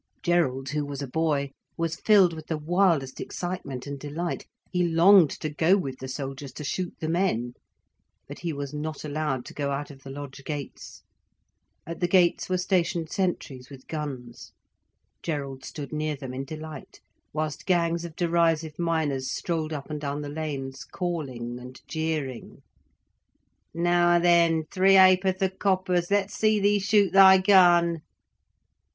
Gerald, who was a boy, was filled with the wildest excitement and delight. He longed to go with the soldiers to shoot the men. But he was not allowed to go out of the lodge gates. At the gates were stationed sentries with guns. Gerald stood near them in delight, whilst gangs of derisive miners strolled up and down the lanes, calling and jeering: "Now then, three ha'porth o' coppers, let's see thee shoot thy gun."